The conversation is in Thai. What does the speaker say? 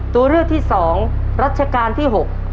ตัวเลือดที่สองรัชการที่หก